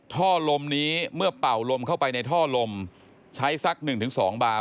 ท่อลมนี้เมื่อเป่าลมเข้าไปในท่อลมใช้สัก๑๒บาร์